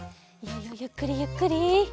いいよゆっくりゆっくり。